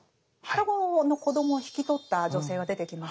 双子の子供を引き取った女性が出てきましたよね。